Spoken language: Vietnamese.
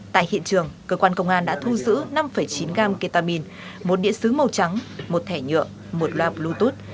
tại hiện trường cơ quan công an đã thu giữ năm chín gam ketamine một điện xứ màu trắng một thẻ nhựa một loa bluetooth